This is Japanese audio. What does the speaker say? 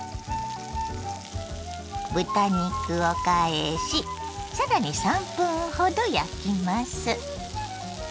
豚肉を返しさらに３分ほど焼きます。